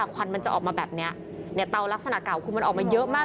ควันมันจะออกมาแบบนี้เนี่ยเตาลักษณะเก่าคือมันออกมาเยอะมาก